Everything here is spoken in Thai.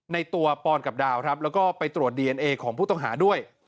ในตัวปอนกับดาวครับแล้วก็ไปตรวจดีเอนเอของผู้ต้องหาด้วย